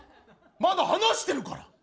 まだ話してるから。